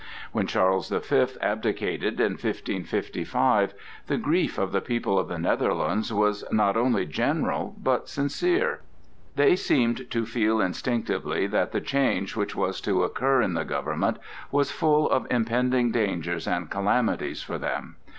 When Charles the Fifth abdicated in 1555, the grief of the people of the Netherlands was not only general, but sincere; they seemed to feel instinctively that the change which was to occur in the government was full of impending dangers and calamities for them.